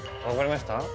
分かりました？